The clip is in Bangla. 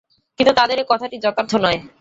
কিন্তু তাদের এ কথাটি যথার্থ নয়।